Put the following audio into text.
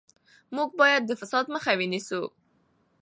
موږ باید د فساد مخه ونیسو.